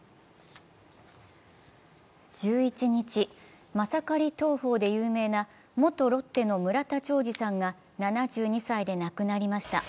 １１日、マサカリ投法で有名な元ロッテの村田兆治さんが７２歳で亡くなりした。